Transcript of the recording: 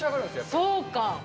そうか。